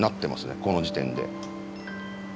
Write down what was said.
この時点で。